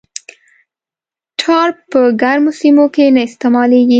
ټار په ګرمو سیمو کې نه استعمالیږي